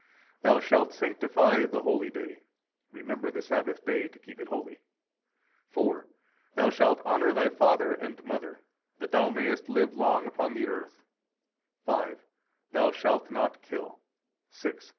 Thou shalt sanctify the holy day. [Remember the Sabbath day to keep it holy.] 4 4. Thou shalt honor thy father and mother [that thou mayest live long upon the earth]. 5 5. Thou shalt not kill. 6 6.